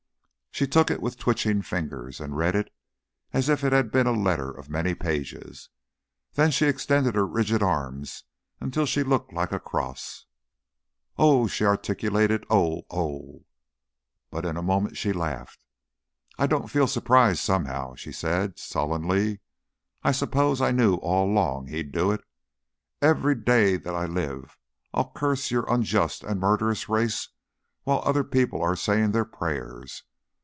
She took it with twitching fingers, and read it as if it had been a letter of many pages. Then she extended her rigid arms until she looked like a cross. "Oh!" she articulated. "Oh! Oh!" But in a moment she laughed. "I don't feel surprised, somehow," she said sullenly. "I suppose I knew all along he'd do it. Every day that I live I'll curse your unjust and murderous race while other people are saying their prayers.